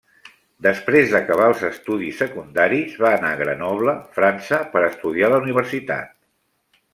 Després d'acabar els estudis secundaris va anar a Grenoble, França, per estudiar a la universitat.